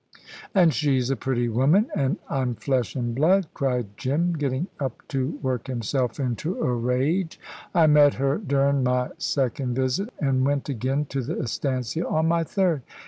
"An' she's a pretty woman, an' I'm flesh an' blood," cried Jim, getting up to work himself into a rage. "I met her durin' my second visit, an' went again to the estancia on my third.